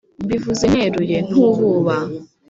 mbivuze neruye ntububa